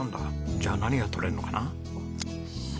じゃあ何が採れるのかな？